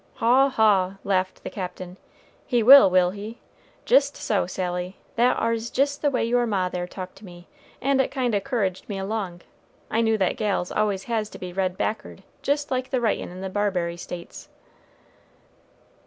"Haw! haw!" laughed the Captain; "he will, will he? Jist so, Sally; that ar's jist the way your ma there talked to me, and it kind o' 'couraged me along. I knew that gals always has to be read back'ard jist like the writin' in the Barbary States."